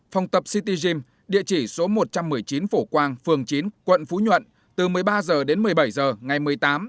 phòng tập city gym địa chỉ số một trăm một mươi chín phổ quang phường chín quận phú nhuận từ một mươi ba giờ đến một mươi bảy giờ ngày một mươi năm tháng một mươi một